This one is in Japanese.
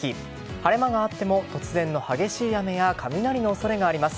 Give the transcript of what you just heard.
晴れ間があっても突然の激しい雨や雷の恐れがあります。